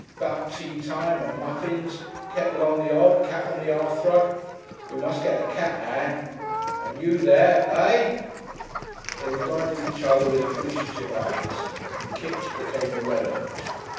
'Bout tea time and muffins, kettle on the 'ob, cat on the 'earthrug. We must get a cat, Ann, and you there. Eh?" They regarded each other with appreciative eyes and Kipps became irrelevant.